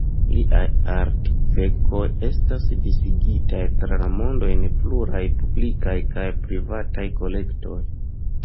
Liaj artverkoj estas disigitaj tra la mondo en pluraj publikaj kaj privataj kolektoj.